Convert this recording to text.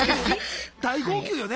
大号泣よね。